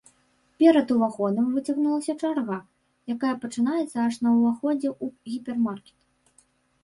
Перад уваходам выцягнулася чарга, якая пачынаецца аж на ўваходзе ў гіпермаркет.